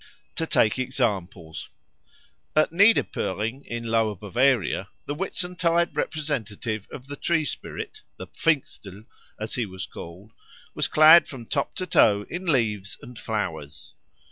To take examples. At Niederpöring, in Lower Bavaria, the Whitsuntide representative of the tree spirit the Pfingstl as he was called was clad from top to toe in leaves and flowers.